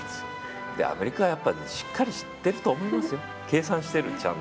アメリカはやっぱりしっかり知っていると思いますよ、計算してると思う。